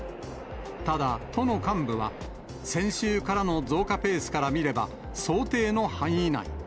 ただ、都の幹部は、先週からの増加ペースから見れば、想定の範囲内。